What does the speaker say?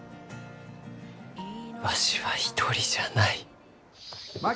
わしは一人じゃない。